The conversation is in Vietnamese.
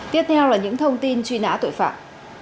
tiếp theo là những thông tin truy nã tội phạm